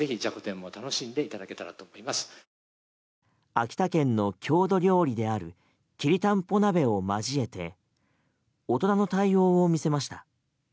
秋田県の郷土料理であるきりたんぽ鍋を交えて大人の対応を見せました。